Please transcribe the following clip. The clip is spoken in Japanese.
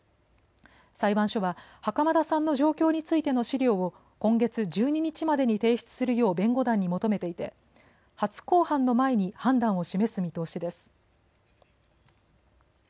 裁判所は袴田さんの状況についての資料を今月１２日までに提出するよう弁護団に求めていて初公判の前に判断を示す見通しです。